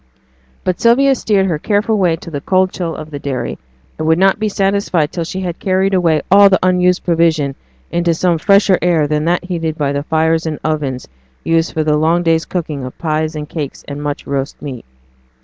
But Sylvia steered her careful way to the cold chill of the dairy, and would not be satisfied till she had carried away all the unused provision into some fresher air than that heated by the fires and ovens used for the long day's cooking of pies and cakes and much roast meat.